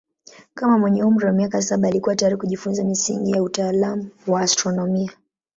Kama mwenye umri wa miaka saba alikuwa tayari kujifunza misingi ya utaalamu wa astronomia.